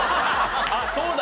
あっそうだ。